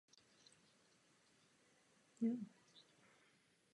Měli spolu sedm statečných synů a sedm krásných dcer.